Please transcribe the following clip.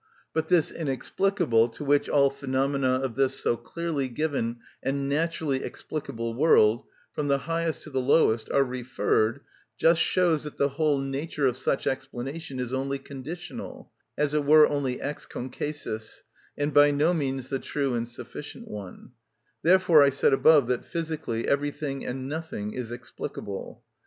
But this inexplicable, to which all phenomena of this so clearly given and naturally explicable world, from the highest to the lowest, are referred, just shows that the whole nature of such explanation is only conditional, as it were only ex concessis, and by no means the true and sufficient one; therefore I said above that physically everything and nothing is explicable.